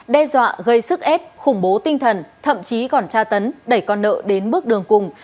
đe dọa gây sức ép khủng bố tinh thần thậm chí còn tra tấn đẩy con nợ đến bước đường cùng